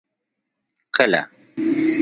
کله.